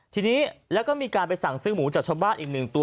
ทีนี้แล้วก็มีการไปสั่งซื้อหมูจากชาวบ้านอีกหนึ่งตัว